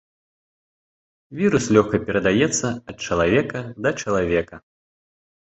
Вірус лёгка перадаецца ад чалавека да чалавека.